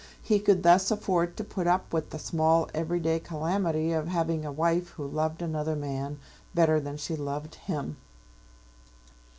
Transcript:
He could thus afford to put up with the small everyday calamity of having a wife who loved another man better than she loved him.